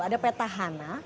ada peta hana